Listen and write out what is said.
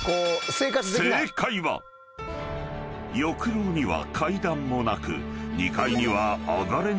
［翼廊には階段もなく］